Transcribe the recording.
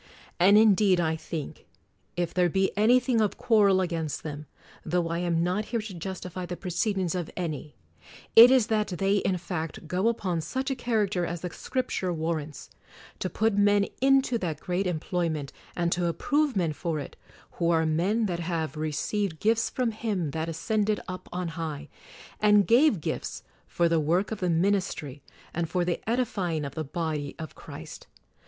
And indeed I think, if there be any thing of quarrel against them, — tho I am not here to justify the proceedings of any, — it is that they, in fact, go upon such a character as the Scripture warrants : To put men into that great employment, and to approve men for it, who are men that have "received gifts from Him that ascended up on high, and gave gifts" for the work of the ministry and for the edifying of the body of Christ.